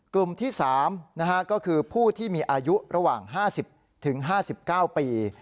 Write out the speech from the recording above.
กลุ่มที่๓ก็คือผู้ที่มีอายุระหว่าง๕๐๕๙ปี